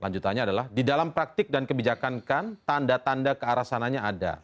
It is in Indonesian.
lanjutannya adalah di dalam praktik dan kebijakan kan tanda tanda kearasanannya ada